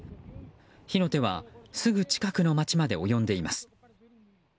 火の手はすぐ近くの町まで及んでいます。